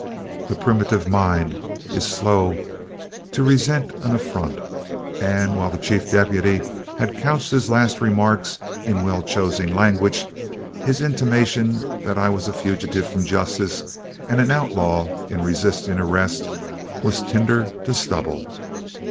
The primitive mind is slow to resent an affront, and while the chief deputy had couched his last remarks in well chosen language, his intimation that I was a fugitive from justice, and an outlaw in resisting arrest, was tinder to stubble.